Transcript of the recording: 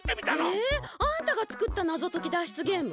へえあんたがつくったなぞとき脱出ゲーム？